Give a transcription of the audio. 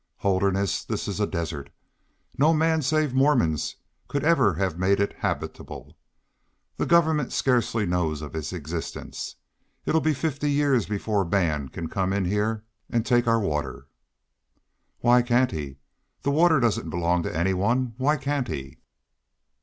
"Holderness, this is a desert. No men save Mormons could ever have made it habitable. The Government scarcely knows of its existence. It'll be fifty years before man can come in here to take our water." "Why can't he? The water doesn't belong to any one. Why can't he?"